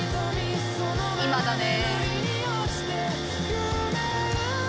今だね。